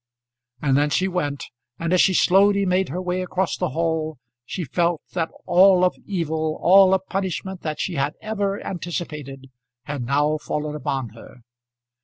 And then she went, and as she slowly made her way across the hall she felt that all of evil, all of punishment that she had ever anticipated, had now fallen upon her.